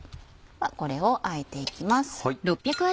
これをあえていきます。